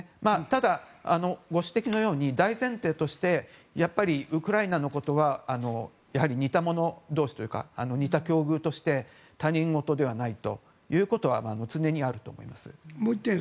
ただ、ご指摘のように大前提としてやっぱりウクライナのことは似た者同士というか似た境遇として他人事ではないということはもう１点。